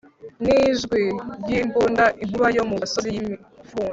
Nijwi ryimbunda inkuba yo mu gasozi yimipfunda